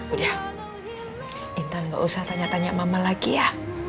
udah intan gak usah tanya tanya mama lagi ya